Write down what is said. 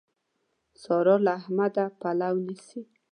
سارا له احمده پلو نيسي.